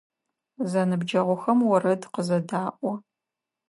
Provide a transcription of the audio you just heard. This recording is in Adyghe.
Зэныбджэгъухэм орэд къызэдаӏо.